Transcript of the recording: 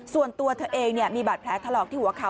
ส่วนตัวเธอเองเนี่ยมีบัตรแพ้ทะเลาะที่หัวเขา